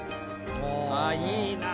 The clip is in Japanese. ああいいなあ！